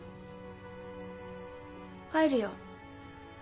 帰るよ。